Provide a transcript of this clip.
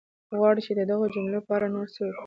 غواړې چې د دغو جملو په اړه نور څه وکړم؟